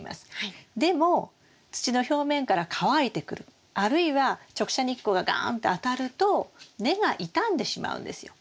でも土の表面から乾いてくるあるいは直射日光がガーンって当たると根が傷んでしまうんですよ。